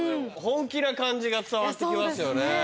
本気な感じが伝わって来ますよね。